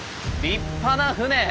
立派な船。